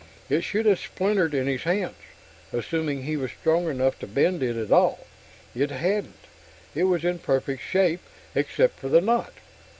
It should have splintered in his hands, assuming he was strong enough to bend it at all. It hadn't; it was in perfect shape, except for the knot.